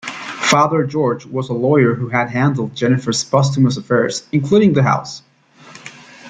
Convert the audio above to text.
Father George was a lawyer who had handled Jennifer's posthumous affairs, including the house.